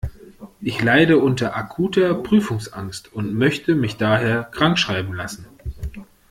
Ich leide unter akuter Prüfungsangst und möchte mich daher krankschreiben lassen.